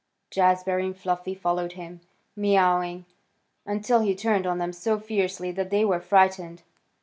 Jazbury and Fluffy followed him, mewing, until he turned on them so fiercely that they were frightened.